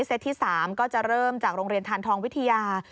ที่๓ก็จะเริ่มจากโรงเรียนทานทองวิทยา